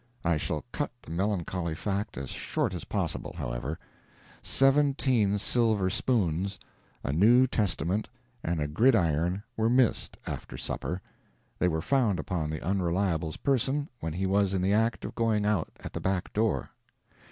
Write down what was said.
I shall cut the melancholy fact as short as possible, however: seventeen silver spoons, a New Testament and a gridiron were missed after supper. They were found upon the Unreliable's person when he was in the act of going out at the back door.